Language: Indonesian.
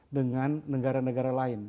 dengan negara negara lain